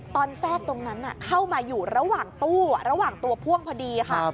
แทรกตรงนั้นเข้ามาอยู่ระหว่างตู้ระหว่างตัวพ่วงพอดีค่ะ